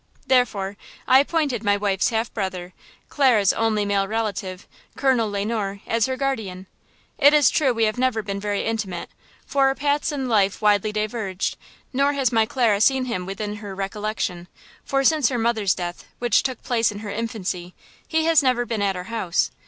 Therefore, I appointed my wife's half brother, Clara's only male relative, Colonel Le Noir, as her guardian. It is true we have never been very intimate, for our paths in life widely diverged; nor has my Clara seen him within her recollection; for, since her mother's death, which took place in her infancy, he has never been at our house.